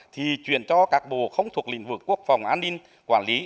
thì chuyển cho các bộ không thuộc lĩnh vực quốc phòng an ninh quản lý